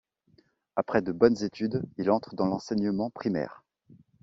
Après de bonnes études, il entre dans l'Enseignement primaire.